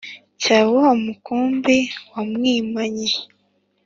cya wa mukumbi wa mwimanyi